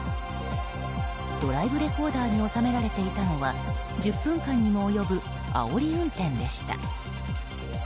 ドライブレコーダーに収められていたのは１０分間にも及ぶあおり運転でした。